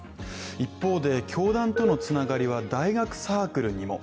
一方で、教団とのつながりは大学サークルにも。